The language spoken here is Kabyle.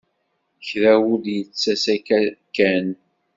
Kra ur d-yettas akka kan.